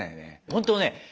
本当ね